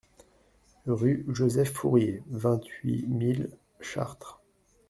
Rue Joseph Fourier, vingt-huit mille Chartres